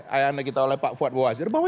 pertanyaannya kita oleh pak fuad bawazir bahwa